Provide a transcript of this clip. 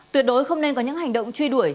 tuyệt đối không nên có những hành động truy đuổi